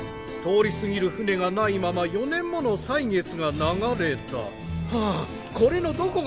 通り過ぎる船がないまま４年もの歳月が流れた」。